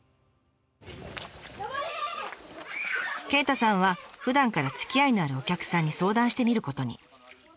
鯨太さんはふだんからつきあいのあるお客さんに相談してみることに。